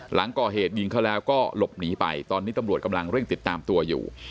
หลังก่อเหตุยิงเขาแล้วก็หลบหนีไปตอนนี้ตำรวจกำลังเร่งติดตามตัวอยู่